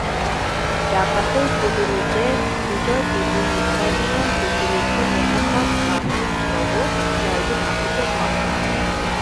ডাকাতদের পিটুনিতে বিজয় টিভির স্থানীয় প্রতিনিধি মোহাম্মদ মাসুদসহ নয়জন আহত হন।